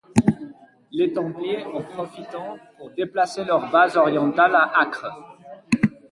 Les Templiers en profitant pour déplacer leur base orientale à Acre.